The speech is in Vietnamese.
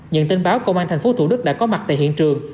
nhận tin báo công an thành phố thủ đức đã có mặt tại hiện trường